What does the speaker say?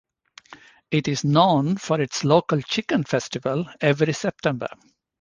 It is known for its local Chicken Festival every September.